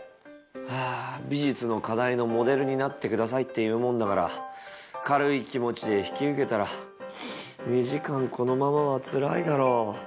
はぁ「美術の課題のモデルになってください」って言うもんだから軽い気持ちで引き受けたら２時間このままはつらいだろ。